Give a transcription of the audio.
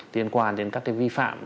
liên quan đến các cái vi phạm